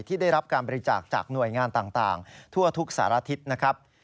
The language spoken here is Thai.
ได้รับการบริจาคจากหน่วยงานต่างทั่วทุกสารทิศนะครับ